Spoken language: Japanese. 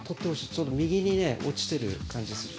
ちょっと右に落ちてる感じする。